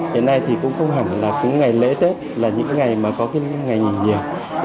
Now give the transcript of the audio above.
đến nay thì cũng không hẳn là cứ ngày lễ tết là những ngày mà có cái ngày nghỉ nhiều